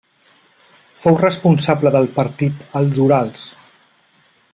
Fou responsable del partit als Urals.